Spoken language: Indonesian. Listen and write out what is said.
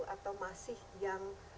atau masih yang